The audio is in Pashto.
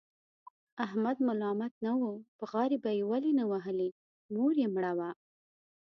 احمد ملامت نه و، بغارې به یې ولې نه وهلې؛ مور یې مړه وه.